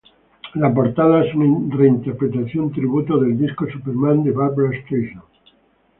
La portada es una reinterpretación-tributo del disco "Superman", de Barbra Streisand.